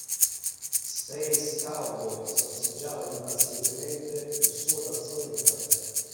Space Cowboy sorseggiava impazientemente il suo tazzone di caffè.